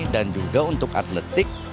dan juga untuk atletik